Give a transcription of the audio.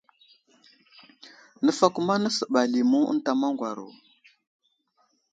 Nəfakuma nasəɓay limu ənta maŋgwaro.